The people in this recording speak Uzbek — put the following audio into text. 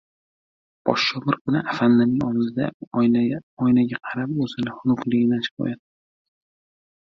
Poshsho bir kuni Afandining oldida oynaga qarab, oʻzining xunukligidan shikoyat qildi: